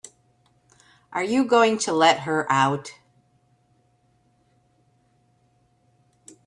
Are you going to let her out?